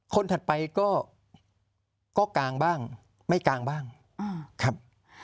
ถัดไปก็กางบ้างไม่กางบ้างครับ